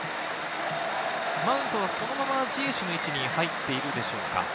マウントはそのままジエシュの位置に入っているでしょうか。